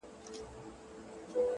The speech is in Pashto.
زه چي د شپې خوب كي ږغېږمه دا;